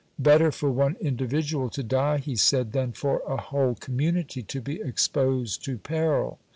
Better for one individual to die, he said, than for a whole community to be exposed to peril.